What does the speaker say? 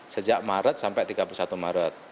sejak maret sampai tiga puluh satu maret